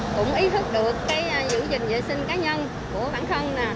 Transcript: cũng ý thức được cái dự dình vệ sinh cá nhân của bản thân